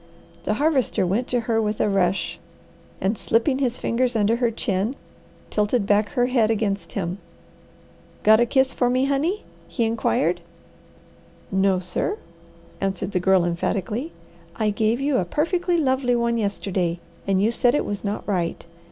The Harvester went to her with a rush, and slipping his fingers under her chin, tilted back her head against him. "Got a kiss for me, honey?" he inquired. "No sir," answered the Girl emphatically. "I gave you a perfectly lovely one yesterday, and you said it was not right.